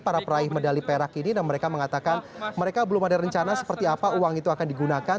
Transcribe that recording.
para peraih medali perak ini dan mereka mengatakan mereka belum ada rencana seperti apa uang itu akan digunakan